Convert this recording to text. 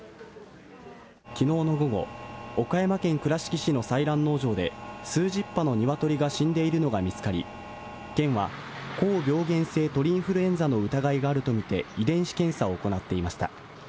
きのうの午後、岡山県倉敷市の採卵農場で、数十羽の鶏が死んでいるのが見つかり、県は、高病原性鳥インフルエンザの疑いがあると見て、遺伝子検査を行っていました。